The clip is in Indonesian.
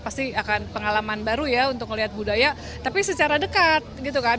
pasti akan pengalaman baru ya untuk melihat budaya tapi secara dekat gitu kan